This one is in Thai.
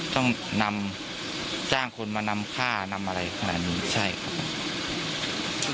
ต้องนำจ้างคนมานำฆ่านำอะไรขนาดนี้ใช่ครับ